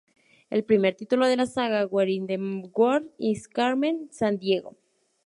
El primer título de la saga, "Where in the World Is Carmen Sandiego?